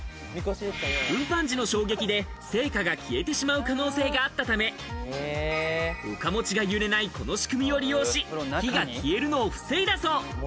運搬時の衝撃で、聖火が消えてしまう可能性があったため、岡持ちが揺れないこの仕組みを利用し、火が消えるのを防いだそう。